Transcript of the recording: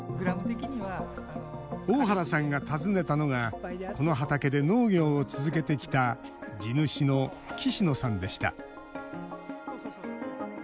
大原さんが訪ねたのがこの畑で農業を続けてきた地主の岸野さんでした。